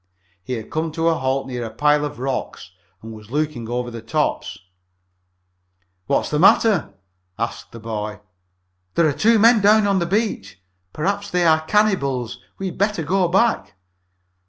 He had come to a halt near a pile of rocks and was looking over the tops. "What's the matter?" asked the boy. "There are two men down there on the beach! Perhaps they are cannibals! We had better go back!"